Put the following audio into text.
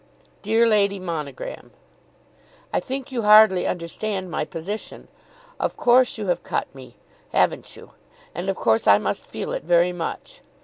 DEAR LADY MONOGRAM, I think you hardly understand my position. Of course you have cut me. Haven't you? And of course I must feel it very much.